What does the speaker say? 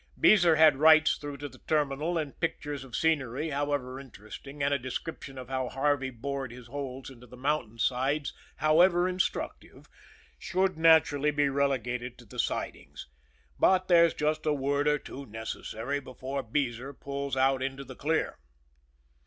Beezer has "rights" through to the terminal, and pictures of scenery however interesting, and a description of how Harvey bored his holes into the mountain sides however instructive, should naturally be relegated to the sidings; but there's just a word or two necessary before Beezer pulls out into the clear.